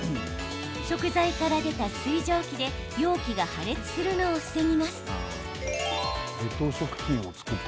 食材から出た水蒸気で容器が破裂するのを防ぎます。